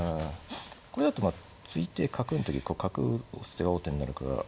これだとまあ突いて角の時こう角打つ手が王手になるから。